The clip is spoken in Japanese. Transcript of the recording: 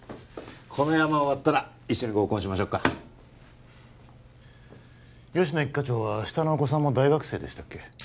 このヤマ終わったら一緒に合コンしましょっか吉乃一課長は下のお子さんも大学生でしたっけ？